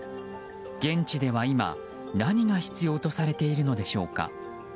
現地では今、何が必要とされているのでしょうか。